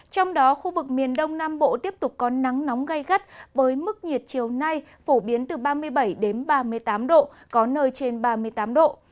trong đó khu vực miền đông nam bộ tiếp tục có nắng nóng gây gắt với mức nhiệt chiều nay phổ biến từ ba mươi bảy đến ba mươi tám độ có nơi trên ba mươi tám độ